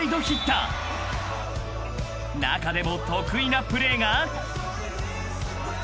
［中でも得意なプレーが］